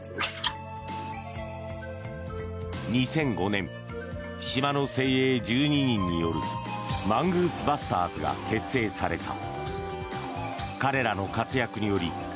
２００５年島の精鋭１２人によるマングースバスターズが結成された。